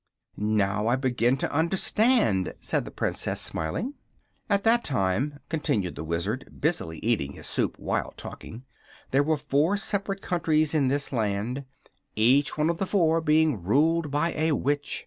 "Now I begin to understand," said the Princess, smiling. "At that time," continued the Wizard, busily eating his soup while talking, "there were four separate countries in this Land, each one of the four being ruled by a Witch.